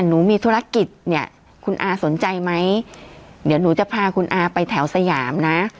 หนูมีธุรกิจเนี่ยคุณอาสนใจไหมเดี๋ยวหนูจะพาคุณอาไปแถวสยามนะ